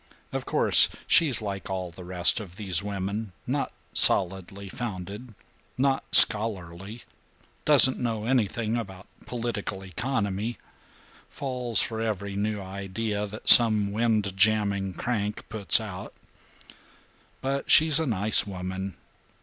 Of course she's like all the rest of these women not solidly founded not scholarly doesn't know anything about political economy falls for every new idea that some windjamming crank puts out. But she's a nice woman.